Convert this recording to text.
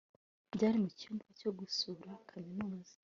Byari mucyumba cyo gusura kaminuza